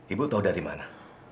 ibu tahu dari mana